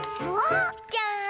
じゃん！